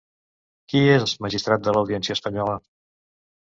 Qui és magistrat de l'Audiència espanyola?